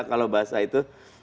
kalau bahasa itu